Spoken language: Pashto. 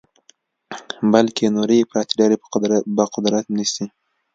بلکې نورې افراطي ډلې به قدرت نیسي.